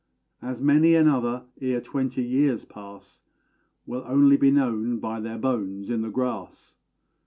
As many another, ere twenty years pass, Will only be known by their bones in the grass!